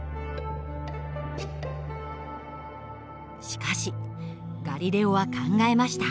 しかしガリレオは考えました。